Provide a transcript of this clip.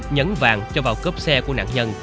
nhấn vàng cho vào cấp xe của nạn nhân